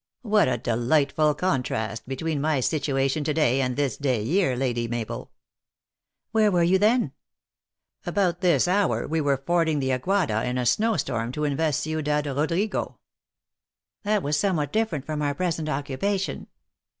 " What a delightful contrast between my situation to day, and this day year, Lady Mabel." " Where were you then ?"" About this hour we were fording the Aguada, in a snow storm, to invest Ciudad Rodrigo." " That was somewhat different from our present oc cupation."